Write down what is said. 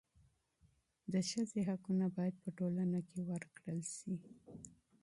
د ښځي حقونه باید په ټولنه کي ورکول سي.